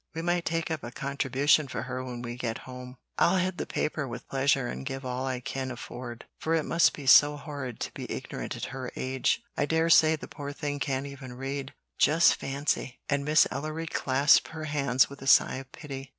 We might take up a contribution for her when we get home. I'll head the paper with pleasure and give all I can afford, for it must be so horrid to be ignorant at her age. I dare say the poor thing can't even read; just fancy!" and Miss Ellery clasped her hands with a sigh of pity.